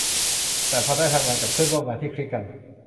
แต่พอได้ทำงานกับเพื่อนร่วมงานที่คลิกกัน